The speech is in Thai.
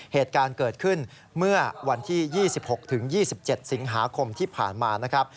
เหตุการณ์เกิดขึ้นเมื่อวันที่๒๖๒๗สิงหาคมที่ผ่านมานะครับ